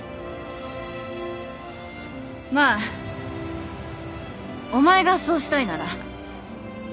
まあお前がそうしたいなら。